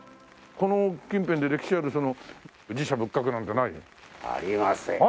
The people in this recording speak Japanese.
この近辺で歴史ある寺社仏閣なんかない？ありますよ。